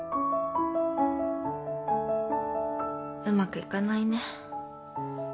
うまくいかないね。